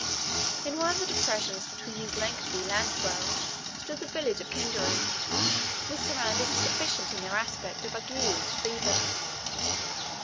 In one of the depressions between these lengthy land swells stood the village of Kingaru, with surroundings significant in their aspect of ague and fever.